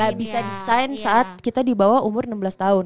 gak bisa di sign saat kita dibawa umur enam belas tahun